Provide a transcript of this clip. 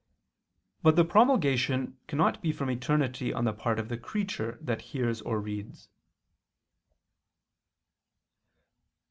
But the promulgation cannot be from eternity on the part of the creature that hears or reads.